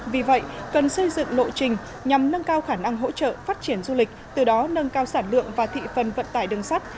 vì vậy cần xây dựng lộ trình nhằm nâng cao khả năng hỗ trợ phát triển du lịch từ đó nâng cao sản lượng và thị phần vận tải đường sắt